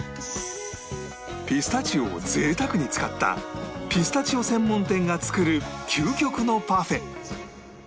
ピスタチオを贅沢に使ったピスタチオ専門店が作る究極のパフェ